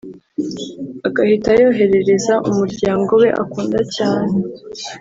agahita ayoherereza umuryango we akunda cyane